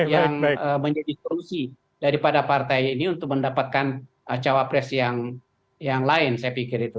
yang menjadi solusi daripada partai ini untuk mendapatkan cawapres yang lain saya pikir itu